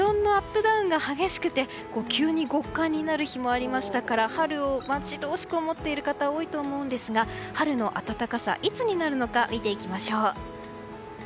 ダウンが激しくて急に極寒になる日もありましたから春を待ち遠しく思っている方多いと思うんですが春の暖かさ、いつになるのか見ていきましょう。